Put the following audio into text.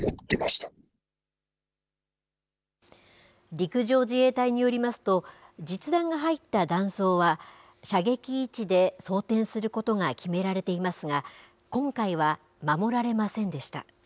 陸上自衛隊によりますと、実弾が入った弾倉は、射撃位置で装填することが決められていますが、今回は守られませんでした。